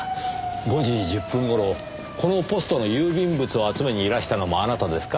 ５時１０分頃このポストの郵便物を集めにいらしたのもあなたですか？